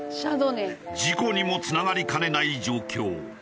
事故にもつながりかねない状況。